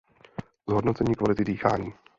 Zhodnocení kvality dýchání.